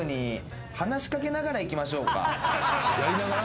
やりながら？